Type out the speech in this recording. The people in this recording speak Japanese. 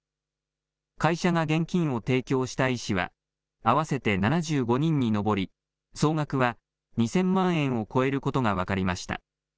会社が現金を提供した医師は、合わせて７５人に上り、総額は２０００万円を超えることが分かりました。